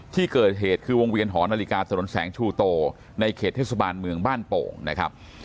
ที่เกิดเหตุคือวงเวียนหอนาฬิกาถนนแสงชูโตในเขตเทศบาลเมืองบ้านโป่งนะครับ